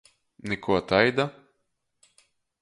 Nikuo taida?